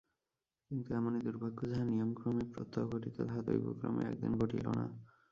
কিন্তু এমনি দুর্ভাগ্য, যাহা নিয়মক্রমে প্রত্যহ ঘটিত, তাহা দৈবক্রমেও একদিন ঘটিল না।